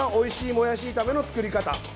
もやし炒めの作り方。